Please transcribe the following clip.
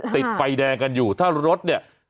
ติดไฟแดงกันอยู่ถ้ารถเนี่ย